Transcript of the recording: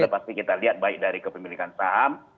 ya pasti kita lihat baik dari kepemilikan saham